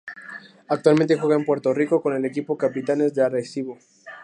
Actualmente juega en Puerto Rico con el equipo Capitanes de Arecibo.